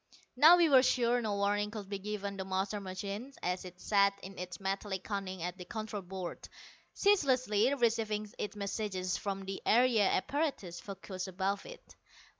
Now we were sure no warning could be given the master machine as it sat in its metallic cunning at the control board, ceaselessly receiving its messages from the area apparatus focussed above it.